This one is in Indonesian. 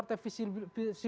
termasuk alit alit partai